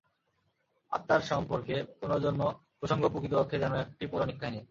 আত্মার সম্পর্কে পুনর্জন্ম-প্রসঙ্গ প্রকৃতপক্ষে যেন একটি পৌরাণিক কাহিনী।